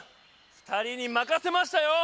２人にまかせましたよ！